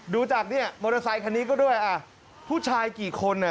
ดูจากเนี่ยมอเตอร์ไซคันนี้ก็ด้วยอ่ะผู้ชายกี่คนอ่ะ